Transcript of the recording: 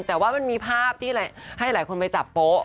แต่ว่ามันมีภาพที่ให้หลายคนไปจับโป๊ะ